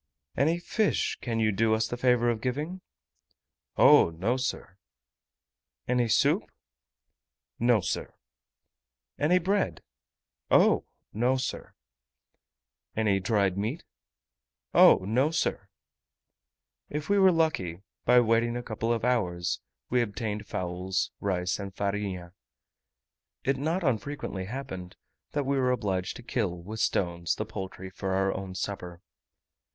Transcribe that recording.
"Any fish can you do us the favour of giving ?" "Oh! no, sir." "Any soup?" "No, sir." "Any bread?" "Oh! no, sir." "Any dried meat?" "Oh! no, sir." If we were lucky, by waiting a couple of hours, we obtained fowls, rice, and farinha. It not unfrequently happened, that we were obliged to kill, with stones, the poultry for our own supper.